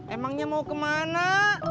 emangnya mau ke mana